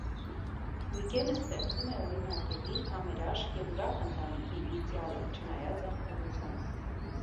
Ուիգենը ստեղծում է օրինակելի, համերաշխ և ուրախ ընտանիքի իդեալը՝ չնայած աղքատությանը։